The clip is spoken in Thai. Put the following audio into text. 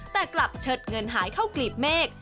แต่กลับเชิดเงินหายเข้ากลีบเมฆ